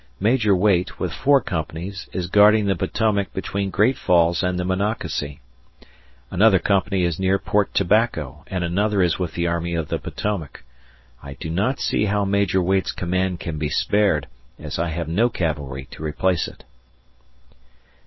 Major Waite, with four companies, is guarding the Potomac between Great Falls and the Monocacy; another company is near Port Tobacco, and another is with the Army of the Potomac. I do not see how Major Waite's command can be spared, as I have no cavalry to replace it.